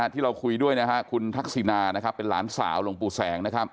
ที่เราคุยด้วยคุณทักษินาเป็นหลานสาวหลวงปู่แสง